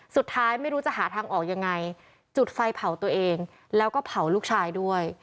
สุดท้ายไม่รู้จะหาทางออกยังไงจุดไฟเผาตัวเองแล้วก็เผาลูกชายด้วย